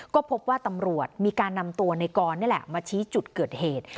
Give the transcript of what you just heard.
ก็พบว่าตำรวจมีการนำตัวในกรนี่แหละมาชี้จุดเกิดเหตุ